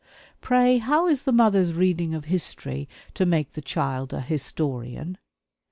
Pray how is the mother's reading of history to make the child a historian?